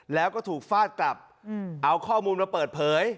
แล้วก็ถูกฟาดกลับเอาข้อมูลมาเปิดเผย